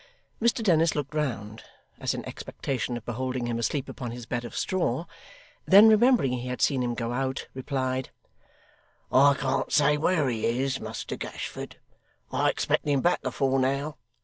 Mr Dennis looked round as in expectation of beholding him asleep upon his bed of straw; then remembering he had seen him go out, replied: 'I can't say where he is, Muster Gashford, I expected him back afore now.